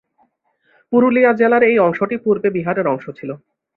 পুরুলিয়া জেলার এই অংশটি পূর্বে বিহারের অংশ ছিল।